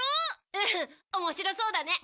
うん面白そうだね。